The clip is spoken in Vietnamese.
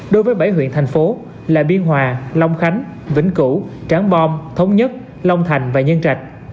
đối với bảy huyện thành phố là biên hòa long khánh vĩnh cửu tràng bom thống nhất long thành và nhân trạch